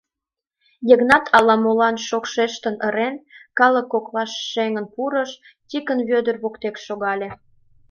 Йыгнат, ала-молан шокшештын-ырен, калык коклаш шеҥын пурыш, Тикын Вӧдыр воктек шогале.